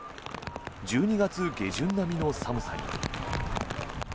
１２月下旬並みの寒さに。